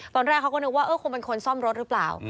ตอนแรกเขาก็นึกว่าเออคงเป็นคนซ่อมรถหรือเปล่า